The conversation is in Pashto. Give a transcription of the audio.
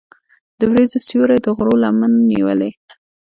د وریځو سیوری د غرونو لمن نیولې.